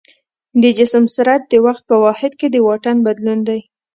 د جسم سرعت د وخت په واحد کې د واټن بدلون دی.